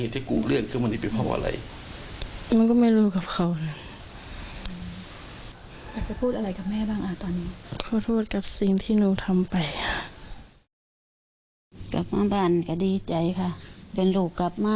ตอนนี้ก็ค่อยหัวผิดแล้ว